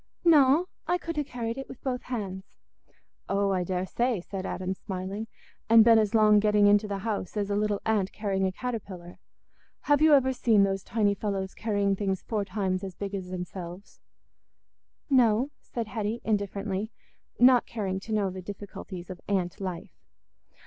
"No; I could ha' carried it with both hands." "Oh, I daresay," said Adam, smiling, "and been as long getting into the house as a little ant carrying a caterpillar. Have you ever seen those tiny fellows carrying things four times as big as themselves?" "No," said Hetty, indifferently, not caring to know the difficulties of ant life.